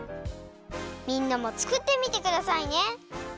みんなもつくってみてくださいね。